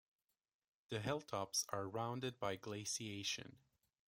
The hilltops are rounded by glaciation.